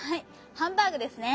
ハンバーグですね。